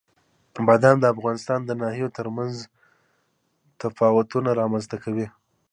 بادام د افغانستان د ناحیو ترمنځ تفاوتونه رامنځته کوي.